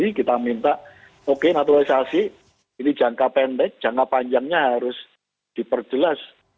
jadi kita minta oke naturalisasi ini jangka pendek jangka panjangnya harus diperjelas